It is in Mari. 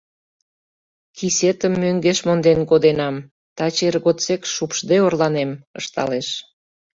— Кисетым мӧҥгеш монден коденам, таче эр годсек шупшде орланем, — ышталеш.